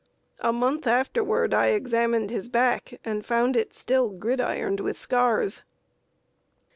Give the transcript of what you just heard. A month afterward I examined his back, and found it still gridironed with scars.